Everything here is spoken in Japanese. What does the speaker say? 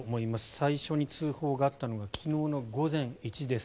最初に通報があったのが昨日の午前１時です。